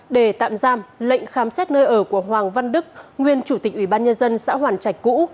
để tạm giam lệnh khám xét nơi ở của hoàng văn đức nguyên chủ tịch ủy ban nhân dân xã hoàn trạch cũ